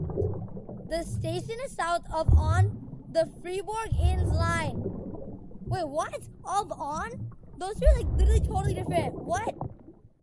The station is south of on the Fribourg–Ins line.